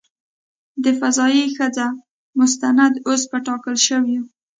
د "فضايي ښځه" مستند اوس په ټاکل شویو .